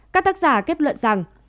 các tác giả kết luận rằng